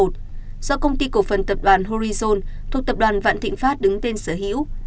do công ty cổ phần tập đoàn horizon thuộc tập đoàn vạn thịnh pháp đứng tên sở hữu